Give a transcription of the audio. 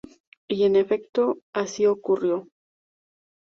Y en efecto, así ocurrió.